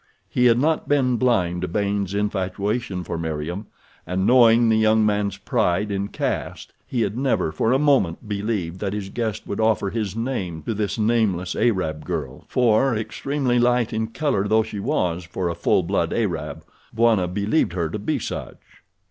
He had not been blind to Baynes' infatuation for Meriem, and knowing the young man's pride in caste he had never for a moment believed that his guest would offer his name to this nameless Arab girl, for, extremely light in color though she was for a full blood Arab, Bwana believed her to be such.